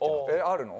あるの？